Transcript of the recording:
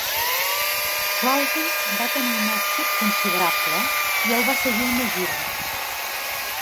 L'àlbum va tenir un èxit considerable i el va seguir una gira.